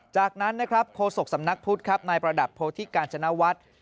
จากนั้นนะครับโฆษกสำนักพุทธครับนายประดับโพธิกาญจนวัฒน์